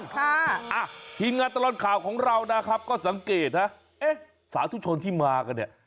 พี่งัตลอดข่าวของเรานะครับก็สังเกตภาพสาธุชนที่มาก็เนี๊ยะ